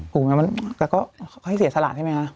ปรุงแรกมันแตะก็เขาให้เสียทสลากใช่ไหมฮะ